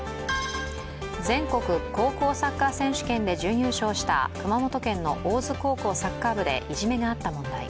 全国高校サッカー選手権で準優勝した熊本県の大津高校サッカー部でいじめがあった問題。